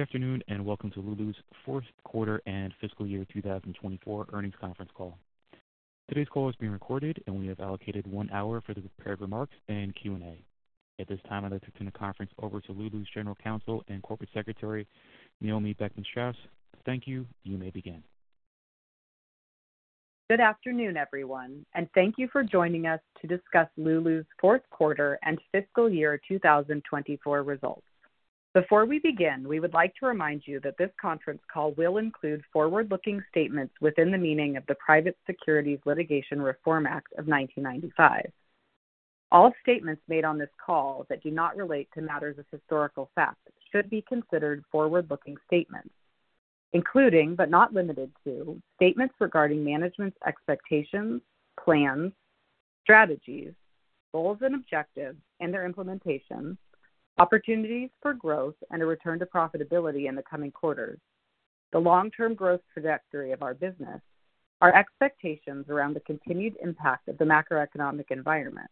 Good afternoon and welcome to Lulus fourth quarter and fiscal year 2024 earnings conference call. Today's call is being recorded, and we have allocated one hour for the prepared remarks and Q&A. At this time, I'd like to turn the conference over to Lulus General Counsel and Corporate Secretary, Naomi Beckman-Straus. Thank you. You may begin. Good afternoon, everyone, and thank you for joining us to discuss Lulus fourth quarter and fiscal year 2024 results. Before we begin, we would like to remind you that this conference call will include forward-looking statements within the meaning of the Private Securities Litigation Reform Act of 1995. All statements made on this call that do not relate to matters of historical fact should be considered forward-looking statements, including but not limited to statements regarding management's expectations, plans, strategies, goals and objectives and their implementation, opportunities for growth, and a return to profitability in the coming quarters, the long-term growth trajectory of our business, our expectations around the continued impact of the macroeconomic environment,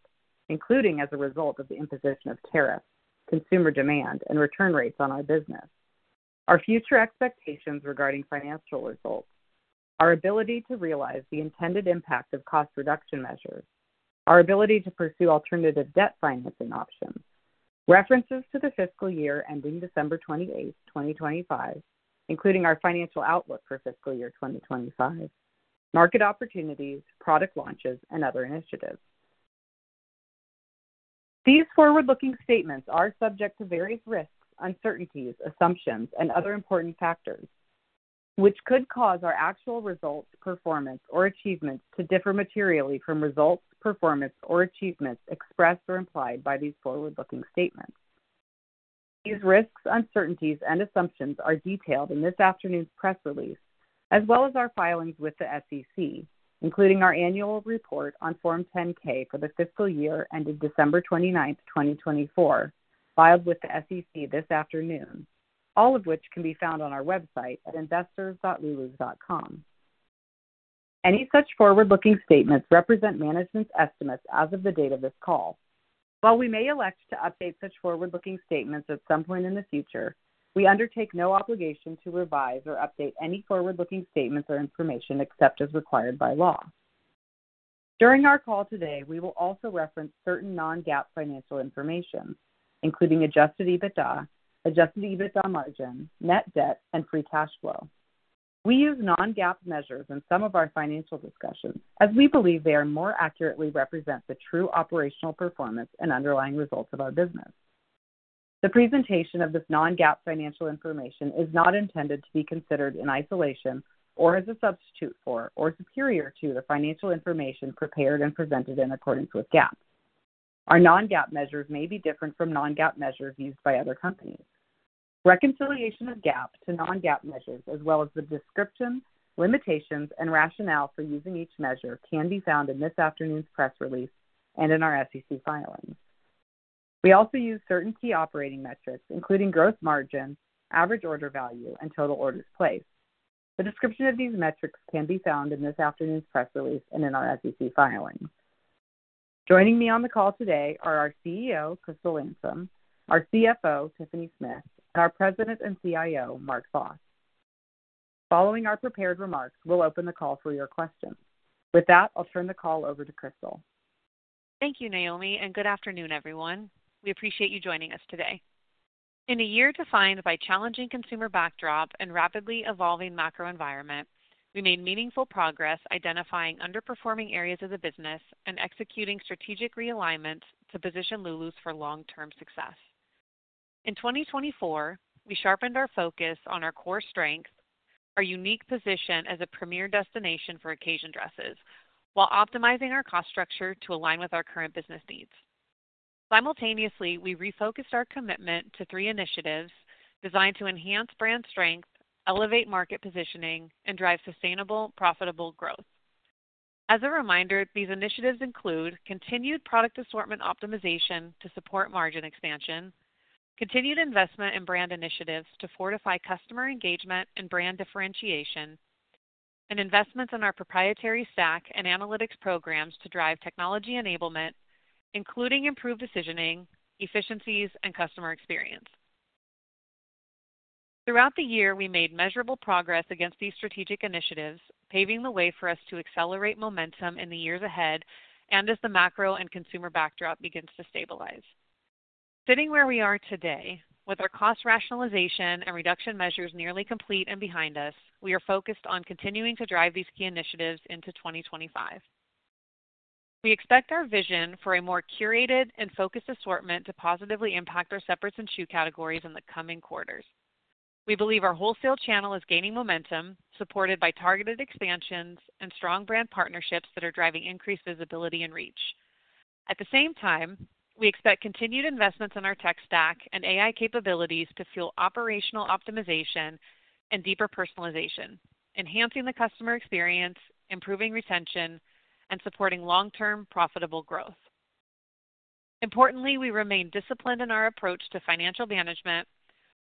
including as a result of the imposition of tariffs, consumer demand, and return rates on our business, our future expectations regarding financial results, our ability to realize the intended impact of cost reduction measures, our ability to pursue alternative debt financing options, references to the fiscal year ending December 28, 2025, including our financial outlook for fiscal year 2025, market opportunities, product launches, and other initiatives. These forward-looking statements are subject to various risks, uncertainties, assumptions, and other important factors which could cause our actual results, performance, or achievements to differ materially from results, performance, or achievements expressed or implied by these forward-looking statements. These risks, uncertainties, and assumptions are detailed in this afternoon's press release, as well as our filings with the SEC, including our annual report on Form 10-K for the fiscal year ending December 29, 2024, filed with the SEC this afternoon, all of which can be found on our website at investors.lulus.com. Any such forward-looking statements represent management's estimates as of the date of this call. While we may elect to update such forward-looking statements at some point in the future, we undertake no obligation to revise or update any forward-looking statements or information except as required by law. During our call today, we will also reference certain non-GAAP financial information, including adjusted EBITDA, adjusted EBITDA margin, net debt, and free cash flow. We use non-GAAP measures in some of our financial discussions as we believe they more accurately represent the true operational performance and underlying results of our business. The presentation of this non-GAAP financial information is not intended to be considered in isolation or as a substitute for or superior to the financial information prepared and presented in accordance with GAAP. Our non-GAAP measures may be different from non-GAAP measures used by other companies. Reconciliation of GAAP to non-GAAP measures, as well as the description, limitations, and rationale for using each measure, can be found in this afternoon's press release and in our SEC filings. We also use certain key operating metrics, including gross margin, average order value, and total orders placed. The description of these metrics can be found in this afternoon's press release and in our SEC filings. Joining me on the call today are our CEO, Crystal Landsem, our CFO, Tiffany Smith, and our President and CIO, Mark Vos. Following our prepared remarks, we'll open the call for your questions. With that, I'll turn the call over to Crystal. Thank you, Naomi, and good afternoon, everyone. We appreciate you joining us today. In a year defined by a challenging consumer backdrop and rapidly evolving macro environment, we made meaningful progress identifying underperforming areas of the business and executing strategic realignments to position Lulus for long-term success. In 2024, we sharpened our focus on our core strengths, our unique position as a premier destination for occasion dresses, while optimizing our cost structure to align with our current business needs. Simultaneously, we refocused our commitment to three initiatives designed to enhance brand strength, elevate market positioning, and drive sustainable, profitable growth. As a reminder, these initiatives include continued product assortment optimization to support margin expansion, continued investment in brand initiatives to fortify customer engagement and brand differentiation, and investments in our proprietary stack and analytics programs to drive technology enablement, including improved decisioning, efficiencies, and customer experience. Throughout the year, we made measurable progress against these strategic initiatives, paving the way for us to accelerate momentum in the years ahead as the macro and consumer backdrop begins to stabilize. Sitting where we are today, with our cost rationalization and reduction measures nearly complete and behind us, we are focused on continuing to drive these key initiatives into 2025. We expect our vision for a more curated and focused assortment to positively impact our separates and shoe categories in the coming quarters. We believe our wholesale channel is gaining momentum, supported by targeted expansions and strong brand partnerships that are driving increased visibility and reach. At the same time, we expect continued investments in our tech stack and AI capabilities to fuel operational optimization and deeper personalization, enhancing the customer experience, improving retention, and supporting long-term profitable growth. Importantly, we remain disciplined in our approach to financial management,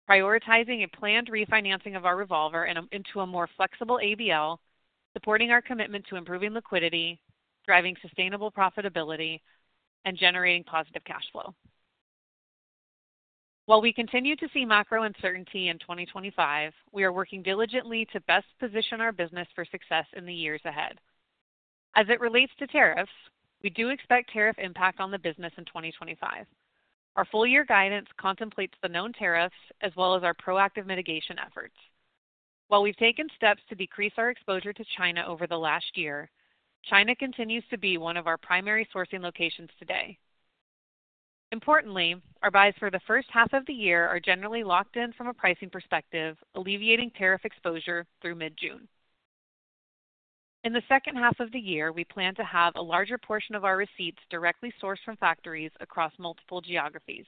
prioritizing a planned refinancing of our revolver into a more flexible ABL, supporting our commitment to improving liquidity, driving sustainable profitability, and generating positive cash flow. While we continue to see macro uncertainty in 2025, we are working diligently to best position our business for success in the years ahead. As it relates to tariffs, we do expect tariff impact on the business in 2025. Our full-year guidance contemplates the known tariffs as well as our proactive mitigation efforts. While we've taken steps to decrease our exposure to China over the last year, China continues to be one of our primary sourcing locations today. Importantly, our buys for the first half of the year are generally locked in from a pricing perspective, alleviating tariff exposure through mid-June. In the second half of the year, we plan to have a larger portion of our receipts directly sourced from factories across multiple geographies,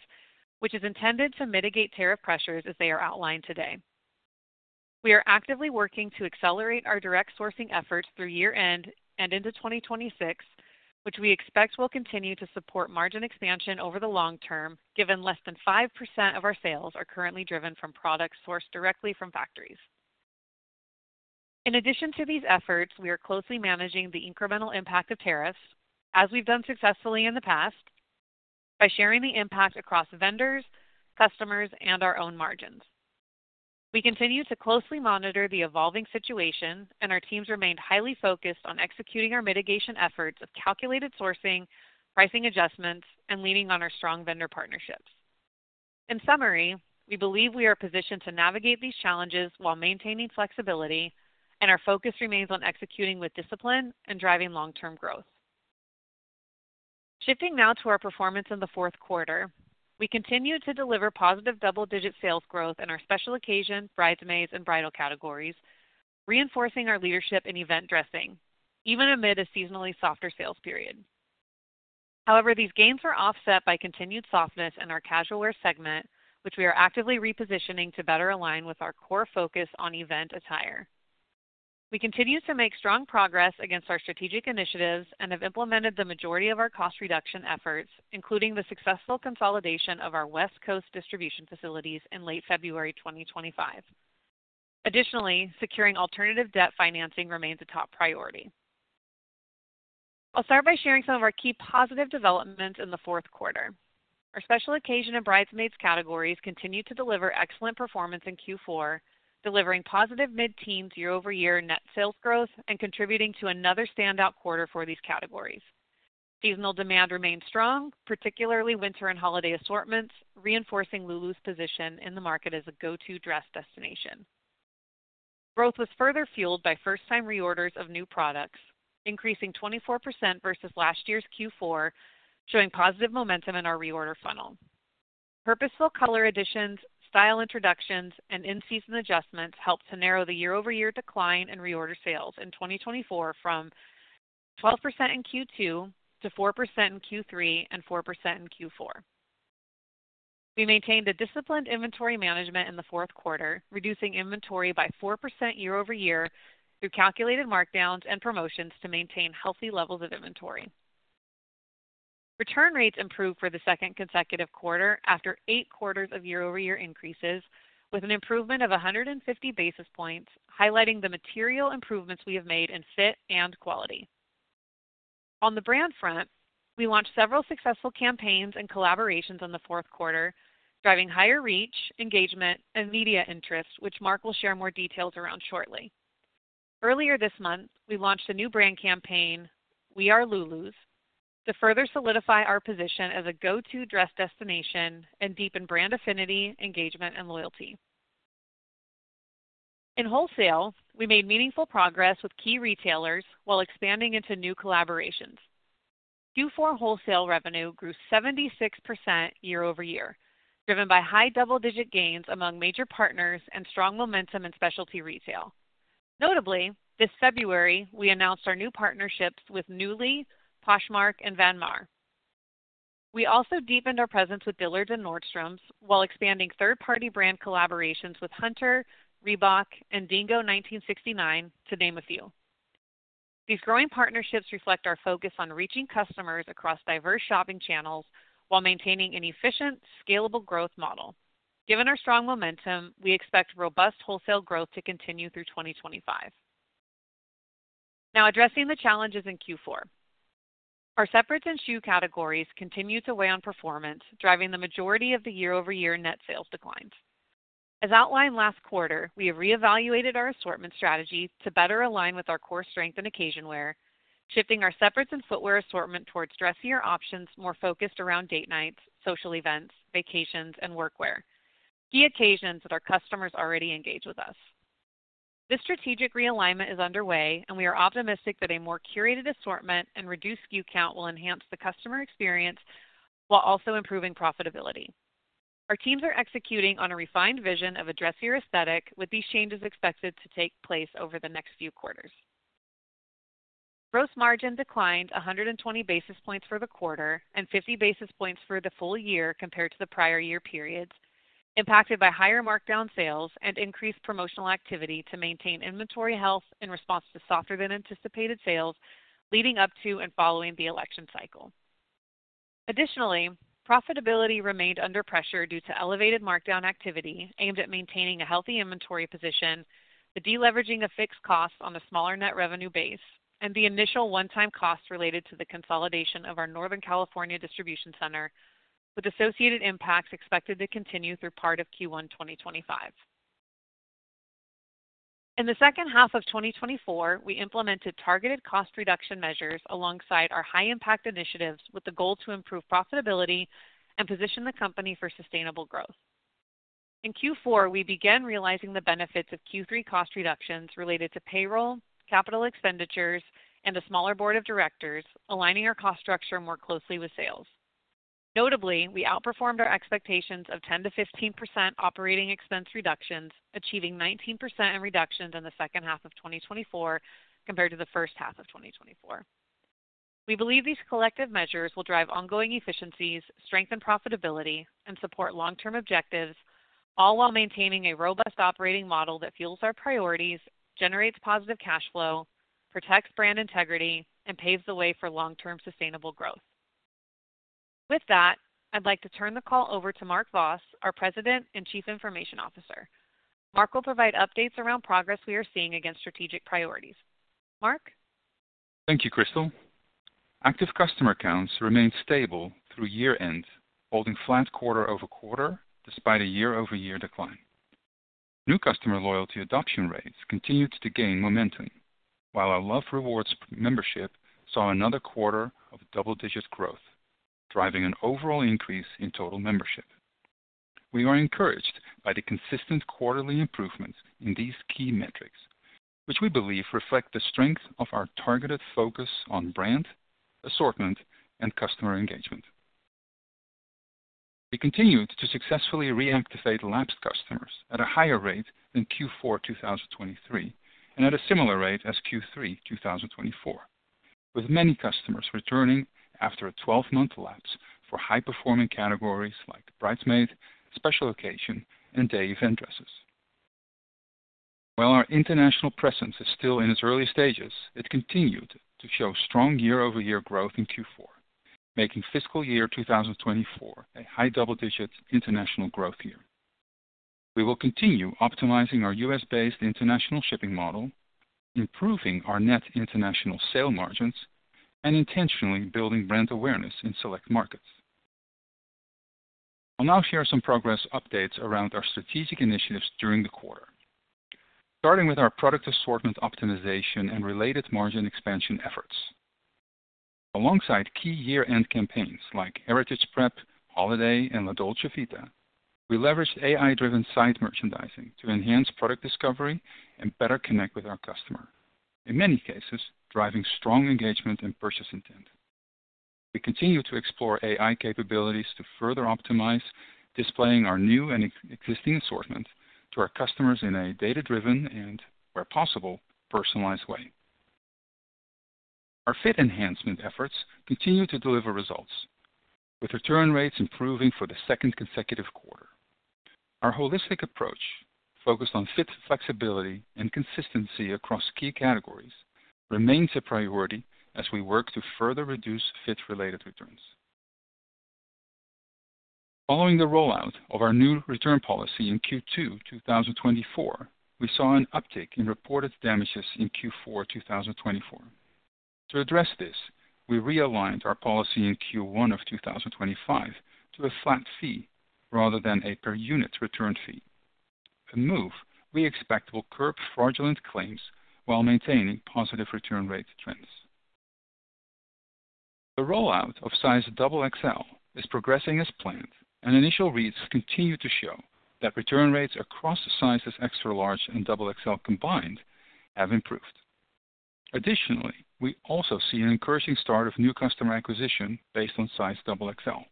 which is intended to mitigate tariff pressures as they are outlined today. We are actively working to accelerate our direct sourcing efforts through year-end and into 2026, which we expect will continue to support margin expansion over the long term, given less than 5% of our sales are currently driven from products sourced directly from factories. In addition to these efforts, we are closely managing the incremental impact of tariffs, as we've done successfully in the past, by sharing the impact across vendors, customers, and our own margins. We continue to closely monitor the evolving situation, and our teams remain highly focused on executing our mitigation efforts of calculated sourcing, pricing adjustments, and leaning on our strong vendor partnerships. In summary, we believe we are positioned to navigate these challenges while maintaining flexibility, and our focus remains on executing with discipline and driving long-term growth. Shifting now to our performance in the fourth quarter, we continue to deliver positive double-digit sales growth in our special occasion, bridesmaids, and bridal categories, reinforcing our leadership in event dressing, even amid a seasonally softer sales period. However, these gains were offset by continued softness in our casual wear segment, which we are actively repositioning to better align with our core focus on event attire. We continue to make strong progress against our strategic initiatives and have implemented the majority of our cost reduction efforts, including the successful consolidation of our West Coast distribution facilities in late February 2025. Additionally, securing alternative debt financing remains a top priority. I'll start by sharing some of our key positive developments in the fourth quarter. Our special occasion and bridesmaids categories continue to deliver excellent performance in Q4, delivering positive mid-teen, year-over-year net sales growth and contributing to another standout quarter for these categories. Seasonal demand remains strong, particularly winter and holiday assortments, reinforcing Lulus position in the market as a go-to dress destination. Growth was further fueled by first-time reorders of new products, increasing 24% versus last year's Q4, showing positive momentum in our reorder funnel. Purposeful color additions, style introductions, and in-season adjustments helped to narrow the year-over-year decline in reorder sales in 2024 from 12% in Q2 to 4% in Q3 and 4% in Q4. We maintained a disciplined inventory management in the fourth quarter, reducing inventory by 4% year-over-year through calculated markdowns and promotions to maintain healthy levels of inventory. Return rates improved for the second consecutive quarter after eight quarters of year-over-year increases, with an improvement of 150 basis points, highlighting the material improvements we have made in fit and quality. On the brand front, we launched several successful campaigns and collaborations in the fourth quarter, driving higher reach, engagement, and media interest, which Mark will share more details around shortly. Earlier this month, we launched a new brand campaign, We Are Lulus, to further solidify our position as a go-to dress destination and deepen brand affinity, engagement, and loyalty. In wholesale, we made meaningful progress with key retailers while expanding into new collaborations. Q4 wholesale revenue grew 76% year-over-year, driven by high double-digit gains among major partners and strong momentum in specialty retail. Notably, this February, we announced our new partnerships with Nuuly, Poshmark, and Von Maur. We also deepened our presence with Dillard's and Nordstrom while expanding third-party brand collaborations with Hunter, Reebok, and Dingo 1969, to name a few. These growing partnerships reflect our focus on reaching customers across diverse shopping channels while maintaining an efficient, scalable growth model. Given our strong momentum, we expect robust wholesale growth to continue through 2025. Now, addressing the challenges in Q4, our separates and shoe categories continue to weigh on performance, driving the majority of the year-over-year net sales declines. As outlined last quarter, we have reevaluated our assortment strategy to better align with our core strength in occasion wear, shifting our separates and footwear assortment towards dressier options more focused around date nights, social events, vacations, and workwear, key occasions that our customers already engage with us. This strategic realignment is underway, and we are optimistic that a more curated assortment and reduced SKU count will enhance the customer experience while also improving profitability. Our teams are executing on a refined vision of a dressier aesthetic, with these changes expected to take place over the next few quarters. Gross margin declined 120 basis points for the quarter and 50 basis points for the full year compared to the prior year periods, impacted by higher markdown sales and increased promotional activity to maintain inventory health in response to softer-than-anticipated sales leading up to and following the election cycle. Additionally, profitability remained under pressure due to elevated markdown activity aimed at maintaining a healthy inventory position, the deleveraging of fixed costs on a smaller net revenue base, and the initial one-time costs related to the consolidation of our Northern California distribution center, with associated impacts expected to continue through part of Q1 2025. In the second half of 2024, we implemented targeted cost reduction measures alongside our high-impact initiatives with the goal to improve profitability and position the company for sustainable growth. In Q4, we began realizing the benefits of Q3 cost reductions related to payroll, capital expenditures, and a smaller board of directors, aligning our cost structure more closely with sales. Notably, we outperformed our expectations of 10%-15% operating expense reductions, achieving 19% in reductions in the second half of 2024 compared to the first half of 2024. We believe these collective measures will drive ongoing efficiencies, strengthen profitability, and support long-term objectives, all while maintaining a robust operating model that fuels our priorities, generates positive cash flow, protects brand integrity, and paves the way for long-term sustainable growth. With that, I'd like to turn the call over to Mark Vos, our President and Chief Information Officer. Mark will provide updates around progress we are seeing against strategic priorities. Mark? Thank you, Crystal. Active customer counts remained stable through year-end, holding flat quarter over quarter despite a year-over-year decline. New customer loyalty adoption rates continued to gain momentum, while our Love Rewards membership saw another quarter of double-digit growth, driving an overall increase in total membership. We are encouraged by the consistent quarterly improvements in these key metrics, which we believe reflect the strength of our targeted focus on brand, assortment, and customer engagement. We continued to successfully re-engage lapsed customers at a higher rate than Q4 2023 and at a similar rate as Q3 2024, with many customers returning after a 12-month lapse for high-performing categories like bridesmaids, special occasion, and day event dresses. While our international presence is still in its early stages, it continued to show strong year-over-year growth in Q4, making fiscal year 2024 a high double-digit international growth year. We will continue optimizing our U.S.-based international shipping model, improving our net international sale margins, and intentionally building brand awareness in select markets. I'll now share some progress updates around our strategic initiatives during the quarter, starting with our product assortment optimization and related margin expansion efforts. Alongside key year-end campaigns like Heritage Prep, Holiday, and La Dolce Vita, we leveraged AI-driven site merchandising to enhance product discovery and better connect with our customer, in many cases driving strong engagement and purchase intent. We continue to explore AI capabilities to further optimize, displaying our new and existing assortment to our customers in a data-driven and, where possible, personalized way. Our fit enhancement efforts continue to deliver results, with return rates improving for the second consecutive quarter. Our holistic approach, focused on fit flexibility and consistency across key categories, remains a priority as we work to further reduce fit-related returns. Following the rollout of our new return policy in Q2 2024, we saw an uptick in reported damages in Q4 2024. To address this, we realigned our policy in Q1 of 2025 to a flat fee rather than a per-unit return fee, a move we expect will curb fraudulent claims while maintaining positive return rate trends. The rollout of size XXL is progressing as planned, and initial reads continue to show that return rates across sizes extra-large and XXL combined have improved. Additionally, we also see an encouraging start of new customer acquisition based on size XXL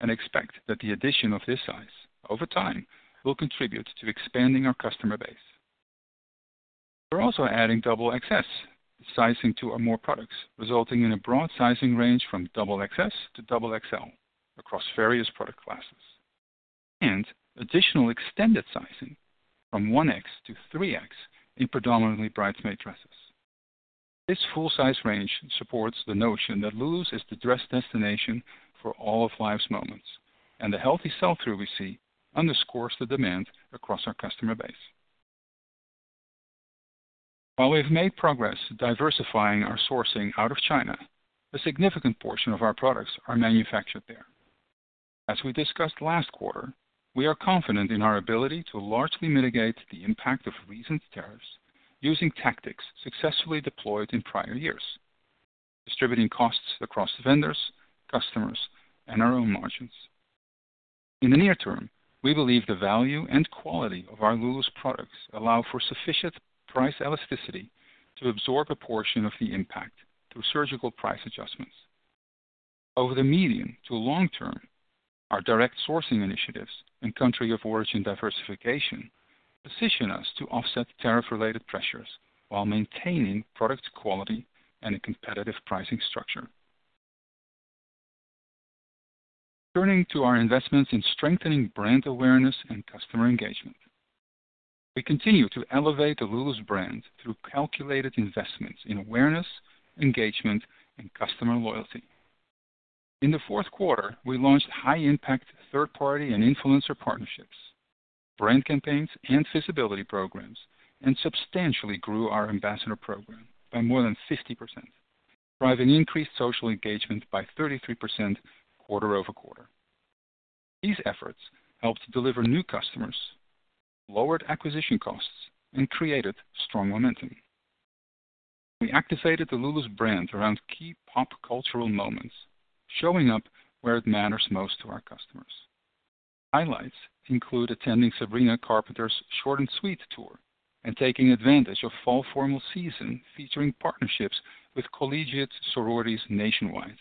and expect that the addition of this size over time will contribute to expanding our customer base. We're also adding XXS sizing to more products, resulting in a broad sizing range from XXS to XXL across various product classes, and additional extended sizing from 1X to 3X in predominantly bridesmaid dresses. This full-size range supports the notion that Lulus is the dress destination for all of life's moments, and the healthy sell-through we see underscores the demand across our customer base. While we have made progress diversifying our sourcing out of China, a significant portion of our products are manufactured there. As we discussed last quarter, we are confident in our ability to largely mitigate the impact of recent tariffs using tactics successfully deployed in prior years, distributing costs across vendors, customers, and our own margins. In the near term, we believe the value and quality of our Lulus products allow for sufficient price elasticity to absorb a portion of the impact through surgical price adjustments. Over the medium to long term, our direct sourcing initiatives and country of origin diversification position us to offset tariff-related pressures while maintaining product quality and a competitive pricing structure. Turning to our investments in strengthening brand awareness and customer engagement, we continue to elevate the Lulus brand through calculated investments in awareness, engagement, and customer loyalty. In the fourth quarter, we launched high-impact third-party and influencer partnerships, brand campaigns, and visibility programs, and substantially grew our ambassador program by more than 50%, driving increased social engagement by 33% quarter over quarter. These efforts helped deliver new customers, lowered acquisition costs, and created strong momentum. We activated the Lulus brand around key pop cultural moments, showing up where it matters most to our customers. Highlights include attending Sabrina Carpenter's Short n' Sweet tour and taking advantage of fall formal season featuring partnerships with collegiate sororities nationwide.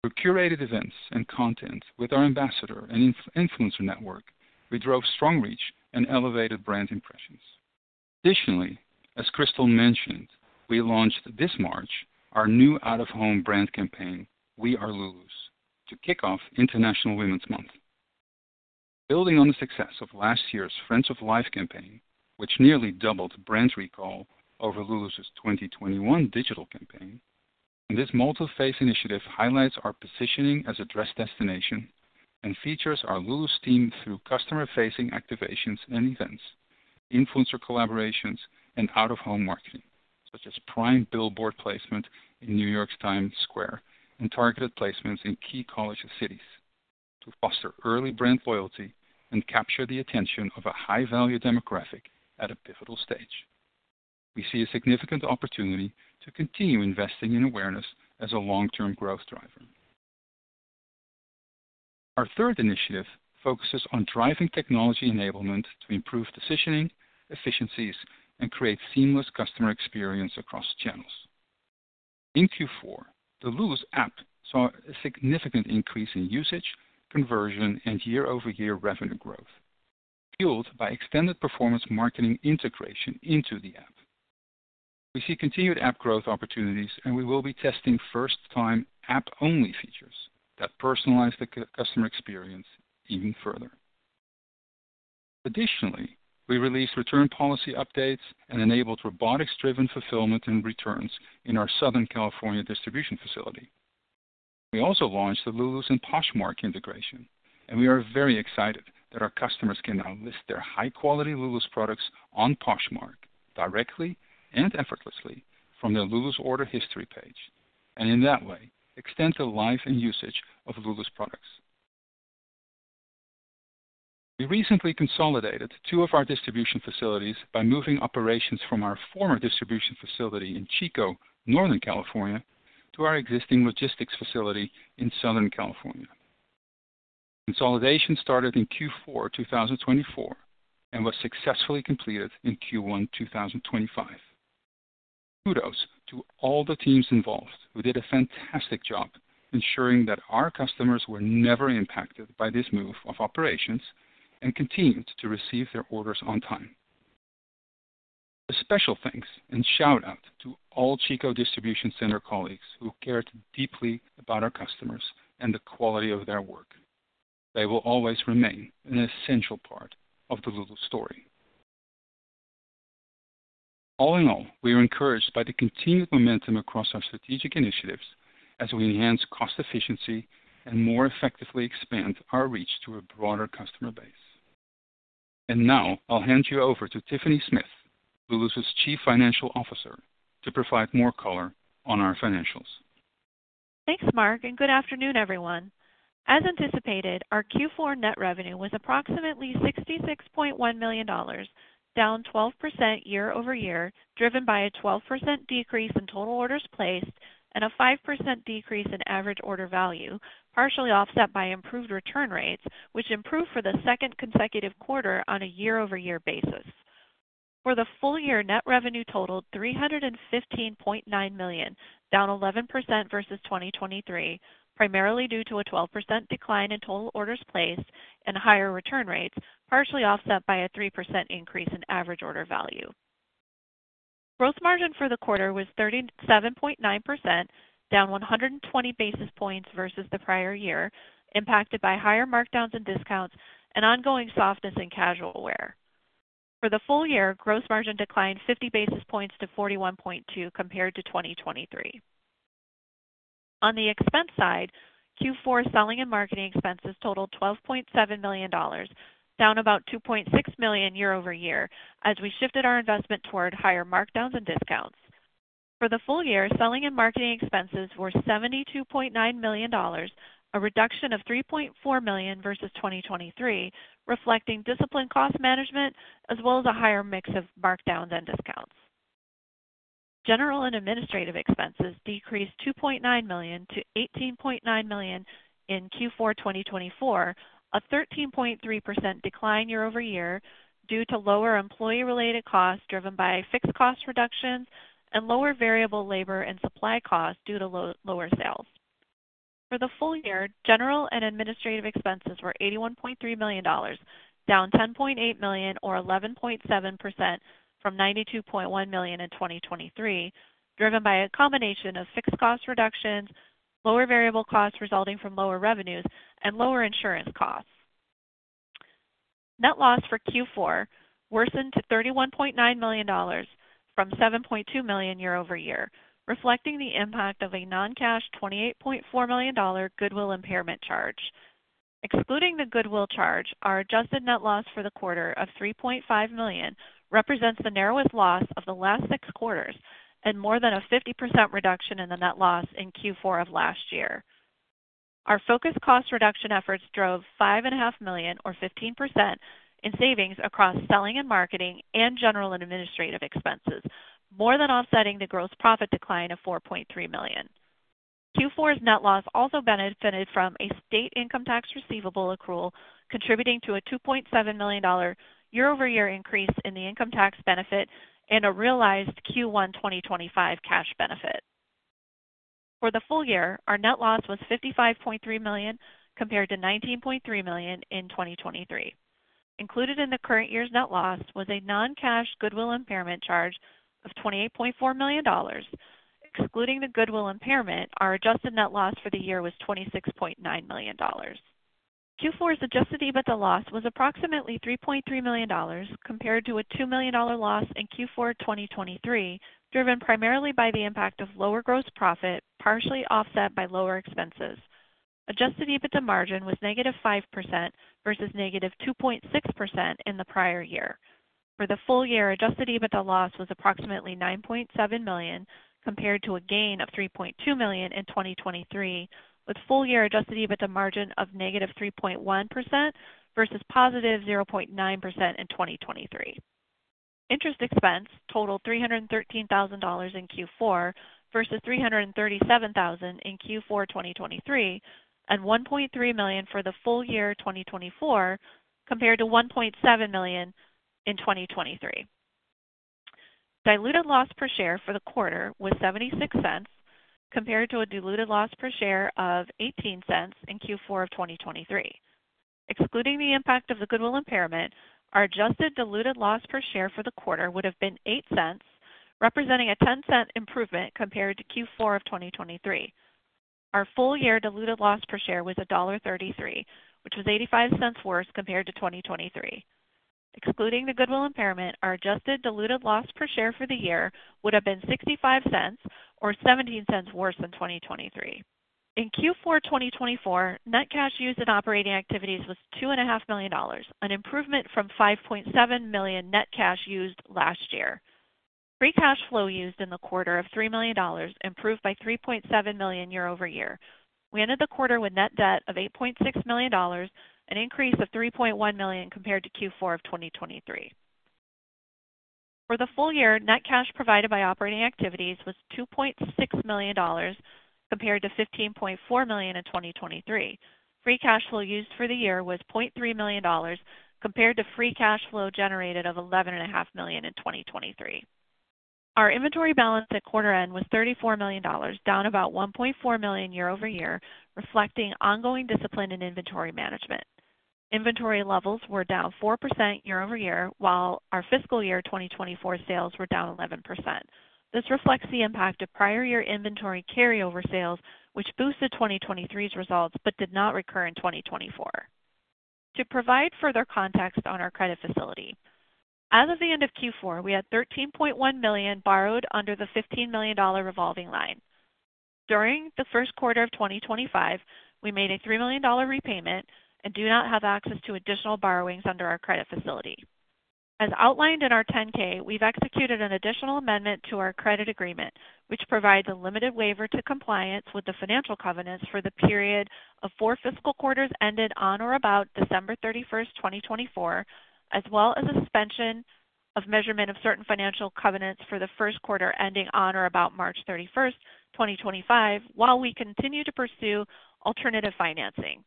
Through curated events and content with our ambassador and influencer network, we drove strong reach and elevated brand impressions. Additionally, as Crystal mentioned, we launched this March our new out-of-home brand campaign, We Are Lulus, to kick off International Women's Month. Building on the success of last year's Friends for Life campaign, which nearly doubled brand recall over Lulus 2021 digital campaign, this multi-phase initiative highlights our positioning as a dress destination and features our Lulus team through customer-facing activations and events, influencer collaborations, and out-of-home marketing, such as prime billboard placement in New York Times Square and targeted placements in key college cities to foster early brand loyalty and capture the attention of a high-value demographic at a pivotal stage. We see a significant opportunity to continue investing in awareness as a long-term growth driver. Our third initiative focuses on driving technology enablement to improve decisioning, efficiencies, and create seamless customer experience across channels. In Q4, the Lulus app saw a significant increase in usage, conversion, and year-over-year revenue growth, fueled by extended performance marketing integration into the app. We see continued app growth opportunities, and we will be testing first-time app-only features that personalize the customer experience even further. Additionally, we released return policy updates and enabled robotics-driven fulfillment and returns in our Southern California distribution facility. We also launched the Lulus and Poshmark integration, and we are very excited that our customers can now list their high-quality Lulus products on Poshmark directly and effortlessly from their Lulus order history page and, in that way, extend the life and usage ofLulus products. We recently consolidated two of our distribution facilities by moving operations from our former distribution facility in Chico, Northern California, to our existing logistics facility in Southern California. Consolidation started in Q4 2024 and was successfully completed in Q1 2025. Kudos to all the teams involved who did a fantastic job ensuring that our customers were never impacted by this move of operations and continued to receive their orders on time. A special thanks and shout-out to all Chico Distribution Center colleagues who cared deeply about our customers and the quality of their work. They will always remain an essential part of the Lulus story. All in all, we are encouraged by the continued momentum across our strategic initiatives as we enhance cost efficiency and more effectively expand our reach to a broader customer base. Now, I'll hand you over to Tiffany Smith, Lulus Chief Financial Officer, to provide more color on our financials. Thanks, Mark, and good afternoon, everyone. As anticipated, our Q4 net revenue was approximately $66.1 million, down 12% year-over-year, driven by a 12% decrease in total orders placed and a 5% decrease in average order value, partially offset by improved return rates, which improved for the second consecutive quarter on a year-over-year basis. For the full year, net revenue totaled $315.9 million, down 11% versus 2023, primarily due to a 12% decline in total orders placed and higher return rates, partially offset by a 3% increase in average order value. Gross margin for the quarter was 37.9%, down 120 basis points versus the prior year, impacted by higher markdowns and discounts and ongoing softness in casual wear. For the full year, gross margin declined 50 basis points to 41.2% compared to 2023. On the expense side, Q4 selling and marketing expenses totaled $12.7 million, down about $2.6 million year-over-year as we shifted our investment toward higher markdowns and discounts. For the full year, selling and marketing expenses were $72.9 million, a reduction of $3.4 million versus 2023, reflecting disciplined cost management as well as a higher mix of markdowns and discounts. General and administrative expenses decreased $2.9 million to $18.9 million in Q4 2024, a 13.3% decline year-over-year due to lower employee-related costs driven by fixed cost reductions and lower variable labor and supply costs due to lower sales. For the full year, general and administrative expenses were $81.3 million, down $10.8 million or 11.7% from $92.1 million in 2023, driven by a combination of fixed cost reductions, lower variable costs resulting from lower revenues, and lower insurance costs. Net loss for Q4 worsened to $31.9 million from $7.2 million year-over-year, reflecting the impact of a non-cash $28.4 million goodwill impairment charge. Excluding the goodwill charge, our adjusted net loss for the quarter of $3.5 million represents the narrowest loss of the last six quarters and more than a 50% reduction in the net loss in Q4 of last year. Our focused cost reduction efforts drove $5.5 million, or 15%, in savings across selling and marketing and general and administrative expenses, more than offsetting the gross profit decline of $4.3 million. Q4's net loss also benefited from a state income tax receivable accrual, contributing to a $2.7 million year-over-year increase in the income tax benefit and a realized Q1 2025 cash benefit. For the full year, our net loss was $55.3 million compared to $19.3 million in 2023. Included in the current year's net loss was a non-cash goodwill impairment charge of $28.4 million. Excluding the goodwill impairment, our adjusted net loss for the year was $26.9 million. Q4's adjusted EBITDA loss was approximately $3.3 million compared to a $2 million loss in Q4 2023, driven primarily by the impact of lower gross profit, partially offset by lower expenses. Adjusted EBITDA margin was negative 5% versus negative 2.6% in the prior year. For the full year, adjusted EBITDA loss was approximately $9.7 million compared to a gain of $3.2 million in 2023, with full year adjusted EBITDA margin of negative 3.1% versus positive 0.9% in 2023. Interest expense totaled $313,000 in Q4 versus $337,000 in Q4 2023 and $1.3 million for the full year 2024 compared to $1.7 million in 2023. Diluted loss per share for the quarter was $0.76 compared to a diluted loss per share of $0.18 in Q4 of 2023. Excluding the impact of the goodwill impairment, our adjusted diluted loss per share for the quarter would have been $0.08, representing a $0.10 improvement compared to Q4 of 2023. Our full year diluted loss per share was $1.33, which was $0.85 worse compared to 2023. Excluding the goodwill impairment, our adjusted diluted loss per share for the year would have been $0.65, or $0.17 worse than 2023. In Q4 2024, net cash used in operating activities was $2.5 million, an improvement from $5.7 million net cash used last year. Free cash flow used in the quarter of $3 million improved by $3.7 million year-over-year. We ended the quarter with net debt of $8.6 million and an increase of $3.1 million compared to Q4 of 2023. For the full year, net cash provided by operating activities was $2.6 million compared to $15.4 million in 2023. Free cash flow used for the year was $0.3 million compared to free cash flow generated of $11.5 million in 2023. Our inventory balance at quarter end was $34 million, down about $1.4 million year-over-year, reflecting ongoing discipline in inventory management. Inventory levels were down 4% year-over-year, while our fiscal year 2024 sales were down 11%. This reflects the impact of prior year inventory carryover sales, which boosted 2023's results but did not recur in 2024. To provide further context on our credit facility, as of the end of Q4, we had $13.1 million borrowed under the $15 million revolving line. During the first quarter of 2025, we made a $3 million repayment and do not have access to additional borrowings under our credit facility. As outlined in our 10-K, we've executed an additional amendment to our credit agreement, which provides a limited waiver to compliance with the financial covenants for the period of four fiscal quarters ended on or about December 31, 2024, as well as a suspension of measurement of certain financial covenants for the first quarter ending on or about March 31, 2025, while we continue to pursue alternative financing.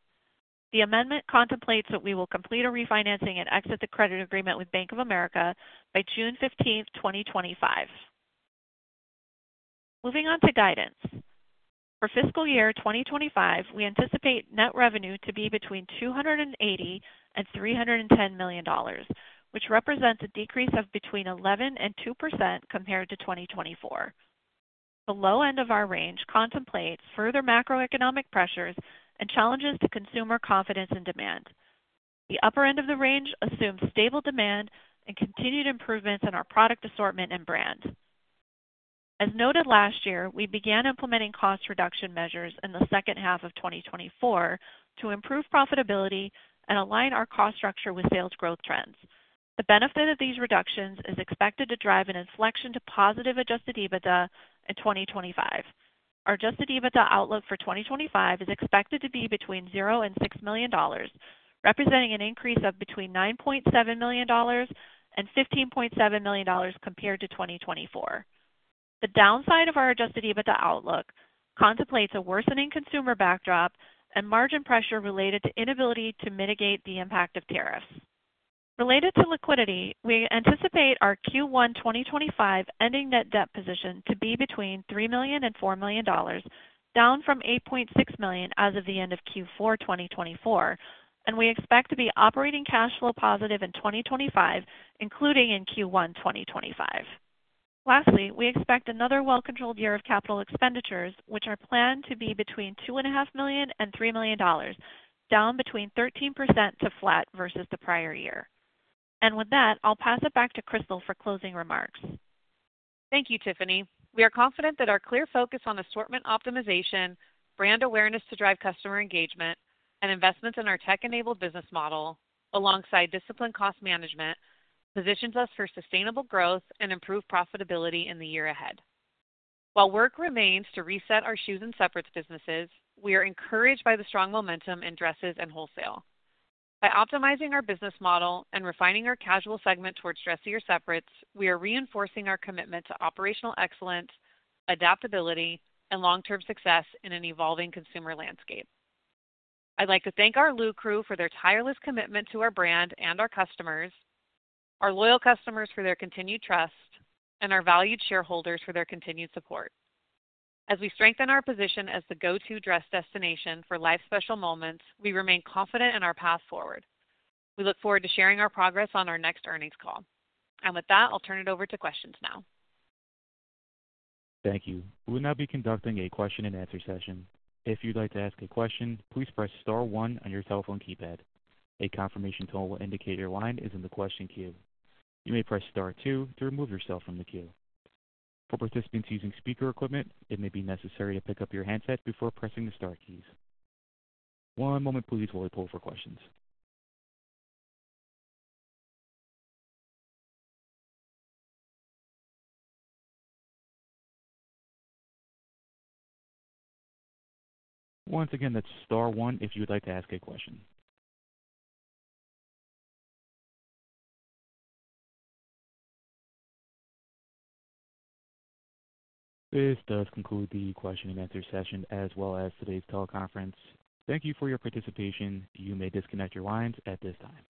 The amendment contemplates that we will complete a refinancing and exit the credit agreement with Bank of America by June 15, 2025. Moving on to guidance. For fiscal year 2025, we anticipate net revenue to be between $280 million and $310 million, which represents a decrease of between 11% and 2% compared to 2024. The low end of our range contemplates further macroeconomic pressures and challenges to consumer confidence and demand. The upper end of the range assumes stable demand and continued improvements in our product assortment and brand. As noted last year, we began implementing cost reduction measures in the second half of 2024 to improve profitability and align our cost structure with sales growth trends. The benefit of these reductions is expected to drive an inflection to positive adjusted EBITDA in 2025. Our adjusted EBITDA outlook for 2025 is expected to be between $0 and $6 million, representing an increase of between $9.7 million and $15.7 million compared to 2024. The downside of our adjusted EBITDA outlook contemplates a worsening consumer backdrop and margin pressure related to inability to mitigate the impact of tariffs. Related to liquidity, we anticipate our Q1 2025 ending net debt position to be between $3 million and $4 million, down from $8.6 million as of the end of Q4 2024, and we expect to be operating cash flow positive in 2025, including in Q1 2025. Lastly, we expect another well-controlled year of capital expenditures, which are planned to be between $2.5 million and $3 million, down between 13% to flat versus the prior year. With that, I'll pass it back to Crystal for closing remarks. Thank you, Tiffany. We are confident that our clear focus on assortment optimization, brand awareness to drive customer engagement, and investments in our tech-enabled business model, alongside disciplined cost management, positions us for sustainable growth and improved profitability in the year ahead. While work remains to reset our shoes and separates businesses, we are encouraged by the strong momentum in dresses and wholesale. By optimizing our business model and refining our casual segment towards dressier separates, we are reinforcing our commitment to operational excellence, adaptability, and long-term success in an evolving consumer landscape. I'd like to thank our Lulus crew for their tireless commitment to our brand and our customers, our loyal customers for their continued trust, and our valued shareholders for their continued support. As we strengthen our position as the go-to dress destination for live special moments, we remain confident in our path forward. We look forward to sharing our progress on our next earnings call. With that, I'll turn it over to questions now. Thank you. We will now be conducting a question-and-answer session. If you'd like to ask a question, please press Star 1 on your cell phone keypad. A confirmation tone will indicate your line is in the question queue. You may press Star 2 to remove yourself from the queue. For participants using speaker equipment, it may be necessary to pick up your handset before pressing the Star keys. One moment, please, while we pull for questions. Once again, that's Star 1 if you would like to ask a question. This does conclude the question-and-answer session as well as today's teleconference. Thank you for your participation. You may disconnect your lines at this time.